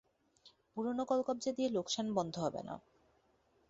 পুরোনো কলকবজা দিয়ে লোকসান বন্ধ হবে না।